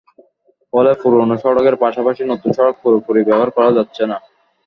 ফলে পুরোনো সড়কের পাশাপাশি নতুন সড়ক পুরোপুরি ব্যবহার করা যাচ্ছে না।